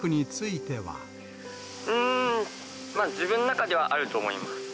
うーん、自分の中ではあると思います。